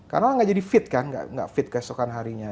karena orang tidak jadi fit kan tidak fit keesokan harinya